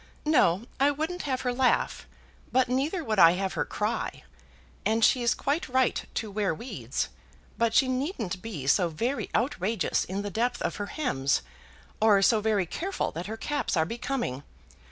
"No; I wouldn't have her laugh; but neither would I have her cry. And she's quite right to wear weeds; but she needn't be so very outrageous in the depth of her hems, or so very careful that her caps are becoming.